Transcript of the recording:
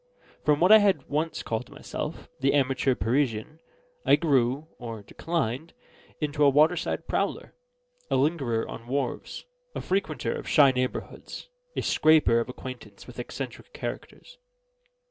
From what I had once called myself, The Amateur Parisian, I grew (or declined) into a waterside prowler, a lingerer on wharves, a frequenter of shy neighbourhoods, a scraper of acquaintance with eccentric characters.